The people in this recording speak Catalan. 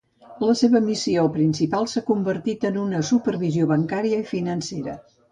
La seva missió principal s'ha convertit en una supervisió bancària i financera.